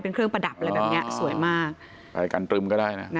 เป็นเครื่องประดับอะไรแบบเนี้ยสวยมากไปกันตรึมก็ได้นะ